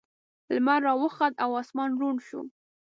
لمر راوخوت او اسمان روڼ شو.